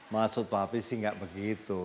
maksud papi sih ga begitu